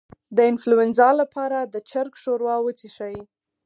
د انفلونزا لپاره د چرګ ښوروا وڅښئ